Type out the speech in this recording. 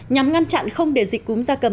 nhằm ngăn chặn không để dịch cúm gia cầm